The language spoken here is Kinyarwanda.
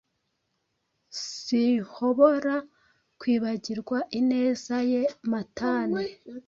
sinhobora kwibagirwa ineza ye matane